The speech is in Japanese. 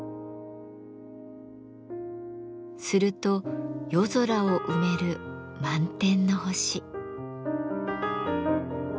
すると夜空を埋める満天の星。